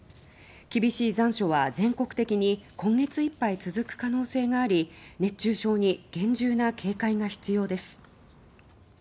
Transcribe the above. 厳しい残暑は全国的に今月いっぱい続く可能性があり熱中症に厳重な警戒が必要です。